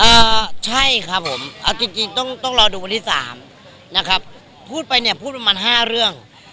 อ่าใช่ครับผมเอาจริงจริงต้องต้องรอดูวันที่สามนะครับพูดไปเนี่ยพูดประมาณห้าเรื่อง